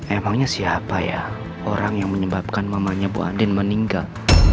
emangnya siapa ya orang yang menyebabkan mamanya bu adin meninggal